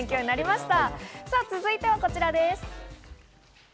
続いてはこちらです。